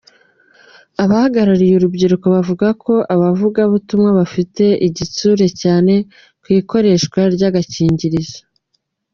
Abahagarariye urubyiruko bavuga ko abavugabutumwa bafite igitsure cyane ku ikoreshwa ry’agakingirizo.